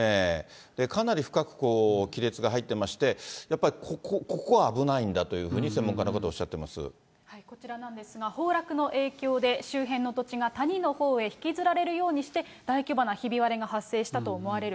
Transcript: かなり深く亀裂が入ってまして、やっぱりここ、危ないんだというような、こちらなんですが、崩落の影響で周辺の土地が谷のほうへ引きずられるようにして、大規模なひび割れが発生したと思われる。